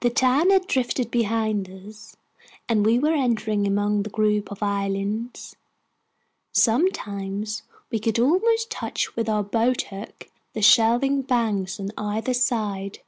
The town had drifted behind us, and we were entering among the group of islands. Sometimes we could almost touch with our boat hook the shelving banks on either side.